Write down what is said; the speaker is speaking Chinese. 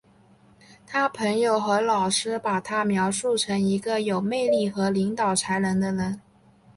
他的朋友和老师把他描述成一个有魅力的和领导才能的人。